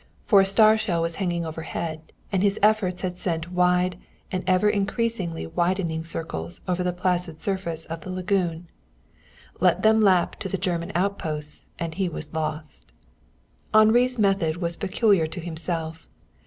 For a star shell was hanging overhead, and his efforts had sent wide and ever increasingly widening circles over the placid surface of the lagoon. Let them lap to the German outposts and he was lost. Henri's method was peculiar to himself.